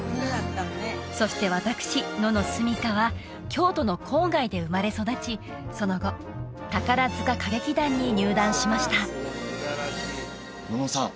そして私野々すみ花は京都の郊外で生まれ育ちその後宝塚歌劇団に入団しました野々さん